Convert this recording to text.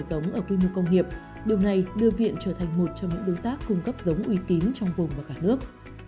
điều này đưa viện trở thành một trong những đối tác cung cấp giống uy tín trong vùng và cả nước